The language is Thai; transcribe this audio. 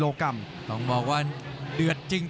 รับทราบบรรดาศักดิ์